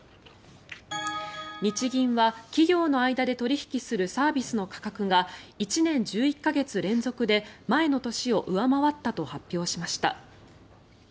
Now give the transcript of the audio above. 日銀は、企業の間で取引するサービスの価格が１年１１か月連続で前の年を上回ったと発表しました。